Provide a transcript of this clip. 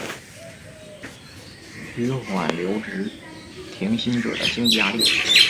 纾缓留职停薪者的经济压力